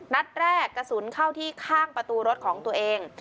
นัดแรกกระสุนเข้าที่ข้างประตูรถของตัวเอง